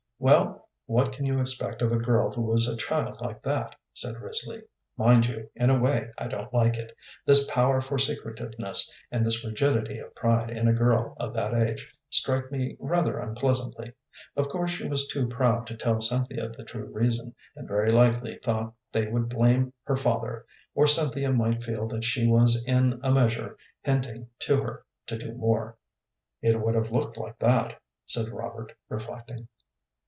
"Well, what can you expect of a girl who was a child like that?" said Risley. "Mind you, in a way I don't like it. This power for secretiveness and this rigidity of pride in a girl of that age strike me rather unpleasantly. Of course she was too proud to tell Cynthia the true reason, and very likely thought they would blame her father, or Cynthia might feel that she was in a measure hinting to her to do more." "It would have looked like that," said Robert, reflecting.